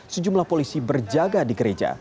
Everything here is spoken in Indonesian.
sejumlah polisi berjaga di gereja